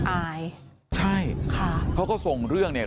อายใช่ค่ะเขาก็ส่งเรื่องเนี่ย